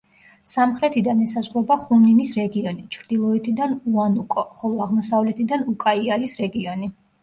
სამხრეთიდან ესაზღვრება ხუნინის რეგიონი, ჩრდილოეთიდან უანუკო, ხოლო აღმოსავლეთიდან უკაიალის რეგიონი.